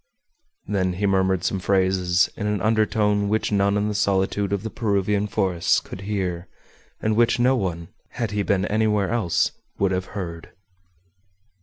Then he murmured some phrases in an undertone which none in the solitude of the Peruvian forests could hear, and which no one, had he been anywhere else, would have heard.